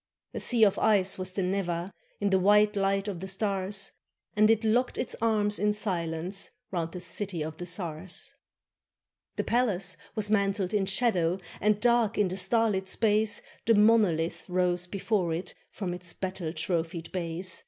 A sea of ice was the Neva, In the white light of the stars, And it locked its arms in silence Round the city of the czars. The palace was mantled in shadow, And, dark in the starlit space. The monolith rose before it From its battle trophied base.